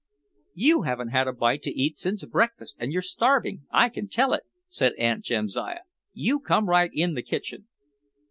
"You haven't had a bite to eat since breakfast and you're starving. I can tell it," said Aunt Jamsiah. "You come right in the kitchen."